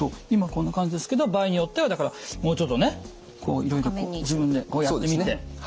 今こんな感じですけど場合によってはだからもうちょっとねいろいろ自分でこうやってみて。